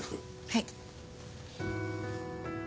はい。